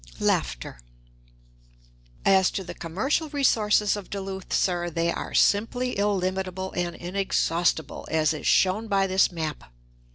As to the commercial resources of Duluth, sir, they are simply illimitable and inexhaustible, as is shown by this map.